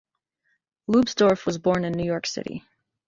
Leubsdorf was born in New York City.